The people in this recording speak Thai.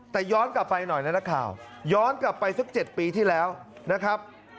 แต่ย้อนกลับไปหน่อยนะนักข่าวย้อนกลับไปสัก๗ปีที่แล้วนะครับ